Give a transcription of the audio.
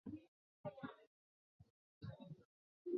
另外有两间由冯小刚担任法定代表人的公司也于同年注销。